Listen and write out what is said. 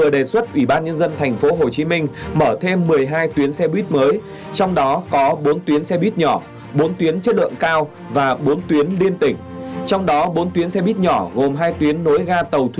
để giải quyết cái vấn đề nhà ở cho ta